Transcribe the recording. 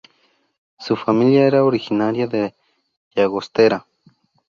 Su familia era originaria de Llagostera.